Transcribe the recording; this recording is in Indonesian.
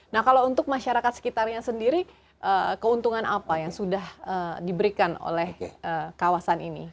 nah kalau untuk masyarakat sekitarnya sendiri keuntungan apa yang sudah diberikan oleh kawasan ini